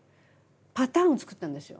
パターンを作ったんですよ。